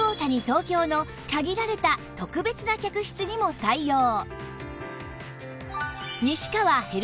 東京の限られた特別な客室にも採用！